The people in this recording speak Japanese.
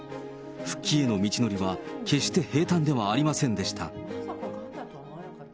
復帰への道のりは、決して平たんではありませんでした。